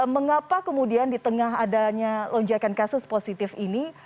mengapa kemudian di tengah adanya lonjakan kasus positif ini